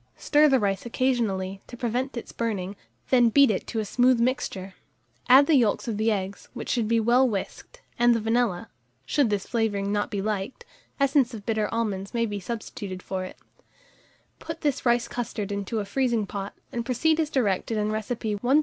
Stir the rice occasionally, to prevent its burning, then beat it to a smooth mixture; add the yolks of the eggs, which should be well whisked, and the vanilla (should this flavouring not be liked, essence of bitter almonds may be substituted for it); put this rice custard into the freezing pot, and proceed as directed in recipe No.